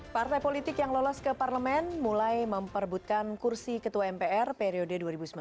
partai politik yang lolos ke parlemen mulai memperbutkan kursi ketua mpr periode dua ribu sembilan belas dua ribu dua puluh